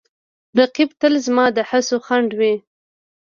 رقیب تل زما د هڅو خنډ وي